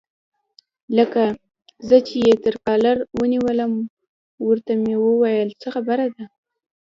لکه زه چې یې تر کالر ونیولم، ورته مې وویل: څه خبره ده؟